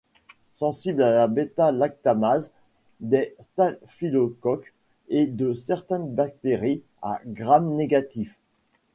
Sensible à la bêta-lactamase des staphylocoques et de certaines bactéries à Gram négatif.